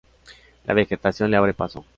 La vegetación le abre paso.